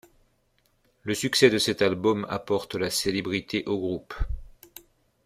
Le succès de cet album apporte la célébrité au groupe.